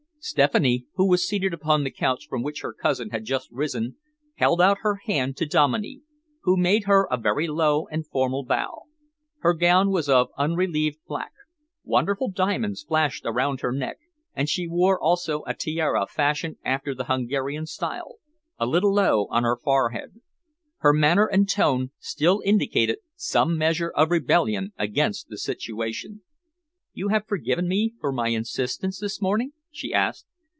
Stephanie, who was seated upon the couch from which her cousin had just risen, held out her hand to Dominey, who made her a very low and formal bow. Her gown was of unrelieved black. Wonderful diamonds flashed around her neck, and she wore also a tiara fashioned after the Hungarian style, a little low on her forehead. Her manner and tone still indicated some measure of rebellion against the situation. "You have forgiven me for my insistence this morning?" she asked.